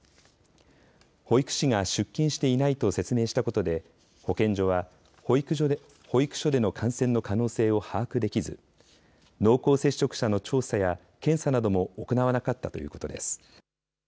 保育士が出勤していないと説明したことで保健所は、保育所での感染の可能性を把握できず濃厚接触者の調査や検査なども行わなかったということです。